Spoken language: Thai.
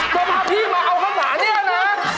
เจ้าพาพี่มาเอาข้าวมานี่นะ